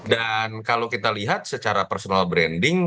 dan kalau kita lihat secara personal branding